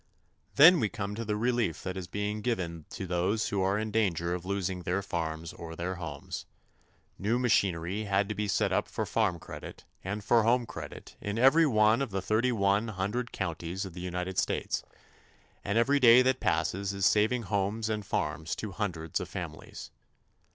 Then we come to the relief that is being given to those who are in danger of losing their farms or their homes. New machinery had to be set up for farm credit and for home credit in every one of the thirty one hundred counties of the United States, and every day that passes is saving homes and farms to hundreds of families.